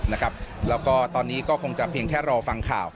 แล้วก็ตอนนี้ก็คงจะเพียงแค่รอฟังข่าว